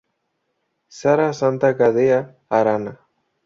Sara Santa Gadea Arana.